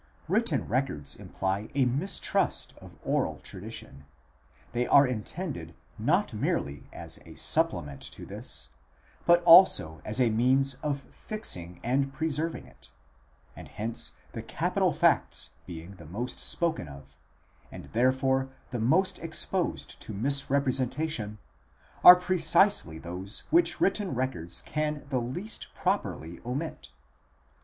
Written records imply a mistrust of oral tradition ; they are intended not merely as a supplement to this, but also as a means of fixing and preserving it, and hence the capital facts, being the most spoken of, and therefore the most exposed to misrepresentation, are precisely those which written records can the least properly omit.